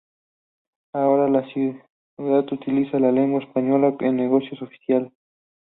Ahora, la ciudad utiliza la lengua española en negocios oficiales.